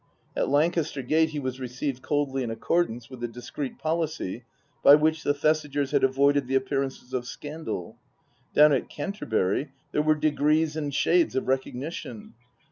At Lancaster Gate he was received coldly in accordance with the discreet policy by which the Thesigers had avoided the appearances of scandal. Down at Canterbury there were degrees and shades of recognition.